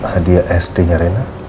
hadiah sd nya rena